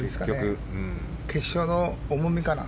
決勝の重みかな。